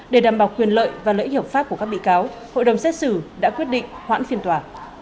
để đảm bảo quyền lợi và lễ hiệu pháp của các bị cáo hội đồng xét xử đã quyết định hoãn phiên tòa